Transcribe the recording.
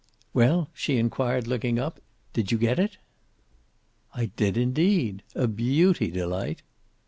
"Well?" she inquired, looking up. "Did you get it?" "I did, indeed. A beauty, Delight."